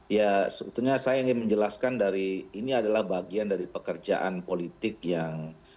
ya sebetulnya saya ingin menjelaskan dari ini adalah bagian dari pekerjaan politik yang